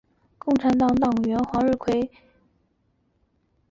中国共产党党员黄日葵一度出任第七军政治部主任。